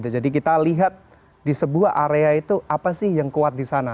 jadi kita lihat di sebuah area itu apa sih yang kuat disana